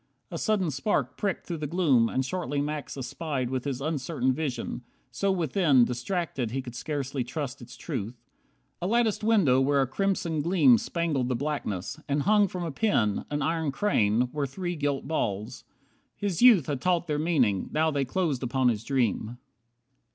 A sudden spark Pricked through the gloom, and shortly Max espied With his uncertain vision, so within Distracted he could scarcely trust its truth, A latticed window where a crimson gleam Spangled the blackness, and hung from a pin, An iron crane, were three gilt balls. His youth Had taught their meaning, now they closed upon his dream.